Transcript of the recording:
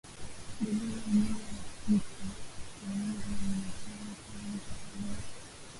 Dalili ya ugonjwa wa kichaa cha mbwa ni mnyama kubadilika tabia